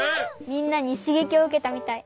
みんなにしげきをうけたみたい。